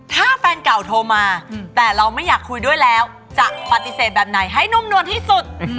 ถ้าแฟนเก่าโทรมาแต่เราไม่อยากคุยด้วยแล้วจะปฏิเสธแบบไหนให้นุ่มนวลที่สุด